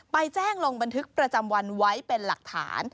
ไปแจ้งลงบันทึกประจำวันไว้เป็นหลักฐาน